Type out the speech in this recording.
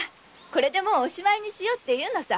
これでもうおしまいにしようっていうのさ。